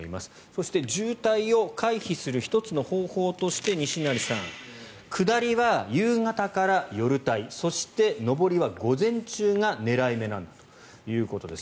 そして、渋滞を回避する１つの方法として西成さん、下りは夕方から夜帯そして上りは午前中が狙い目なんだということです。